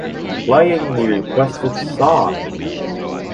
Playing the requested song.